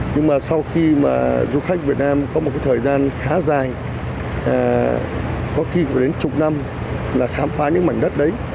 nhưng mà sau khi mà du khách việt nam có một thời gian khá dài có khi đến chục năm là khám phá những mảnh đất đấy